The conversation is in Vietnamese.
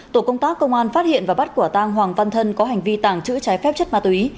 tổ công tác công an phát hiện và bắt quả tang hoàng văn thân có hành vi tàng trữ trái phép chất ma túy